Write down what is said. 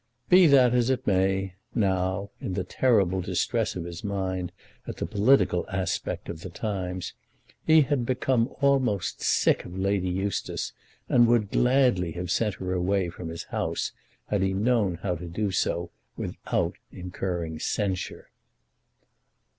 Be that as it may, now, in the terrible distress of his mind at the political aspect of the times, he had become almost sick of Lady Eustace, and would gladly have sent her away from his house had he known how to do so without incurring censure.